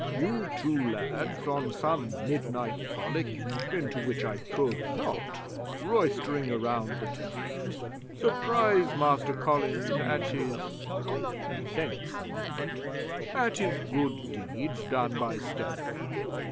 you two lads, on some midnight frolic into which I probe not, roystering around the taverns, surprise Master Collins at his" he thinks a moment "at his good deeds done by stealth.